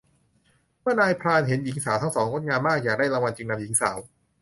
เมื่อนายพรานเห็นหญิงสาวทั้งสองงดงามมาก อยากได้รางวัลจึงนำหญิงสาว